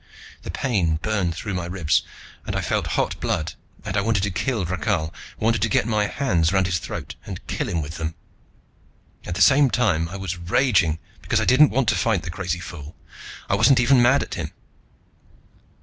Then pain burned through my ribs and I felt hot blood, and I wanted to kill Rakhal, wanted to get my hands around his throat and kill him with them. And at the same time I was raging because I didn't want to fight the crazy fool, I wasn't even mad at him.